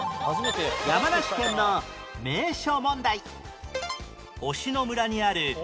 山梨県の名所問題